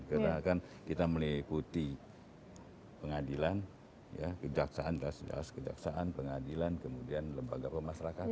karena kan kita meliputi pengadilan kejaksaan kejaksaan pengadilan kemudian lembaga pemasrakannya